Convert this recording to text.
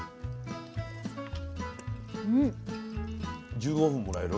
１５分もらえる？